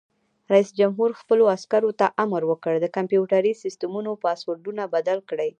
رئیس جمهور خپلو عسکرو ته امر وکړ؛ د کمپیوټري سیسټمونو پاسورډونه بدل کړئ!